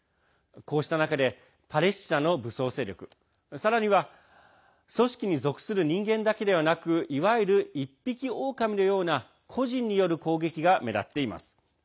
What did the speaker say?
こうした中でパレスチナの武装勢力さらには組織に属する人間だけではなくいわゆる、一匹狼のような個人による攻撃が目立っています。